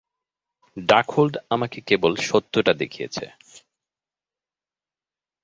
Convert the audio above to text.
Darkhold আমাকে কেবল সত্যটা দেখিয়েছে।